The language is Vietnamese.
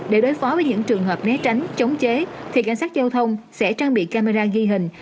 để đối phó với những trường hợp né tránh chống chế thì cảnh sát giao thông sẽ trang bị camera ghi hình